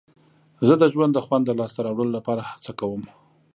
زه د ژوند د خوند د لاسته راوړلو لپاره هڅه کوم.